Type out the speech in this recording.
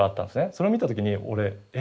それを見た時に俺え？